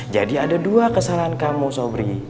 jadi ada dua kesalahan kamu sobri